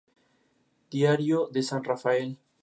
Se puede utilizar una aguja o tubo en lugar de un clavo.